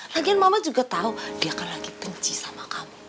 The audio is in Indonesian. lagian mama juga tahu dia akan lagi kenci sama kamu